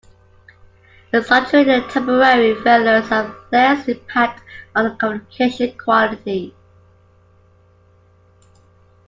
In such a way, temporary failures have less impact on the communication quality.